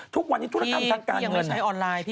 ทุกวันนี้ธุรกรรมทางการเงิน